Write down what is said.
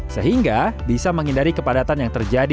sehingga bisa menghindari kepadatan yang terjadi